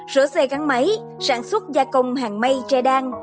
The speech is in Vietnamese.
rửa xe gắn máy sản xuất gia công hàng mây tre đan